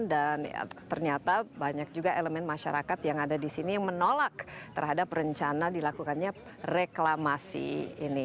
dan ternyata banyak juga elemen masyarakat yang ada disini yang menolak terhadap rencana dilakukannya reklamasi ini